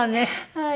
はい。